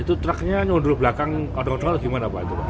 itu truknya nyodor belakang odong odol gimana pak